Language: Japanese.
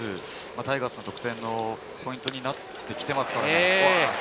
タイガースの得点のポイントになってきてますよね。